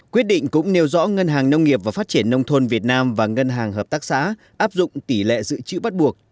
quyết định cũng nêu rõ ngân hàng nông nghiệp và phát triển nông thôn việt nam và ngân hàng hợp tác xã áp dụng tỷ lệ dự trữ bắt buộc